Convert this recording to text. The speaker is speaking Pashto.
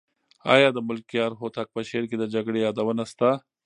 آیا د ملکیار هوتک په شعر کې د جګړې یادونه شته؟